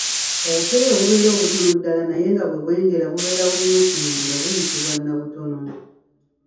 Obupeera obubeera obutono ddala naye nga bwe bwengera bubeera bumyufu munda buyitibwa nnabutono.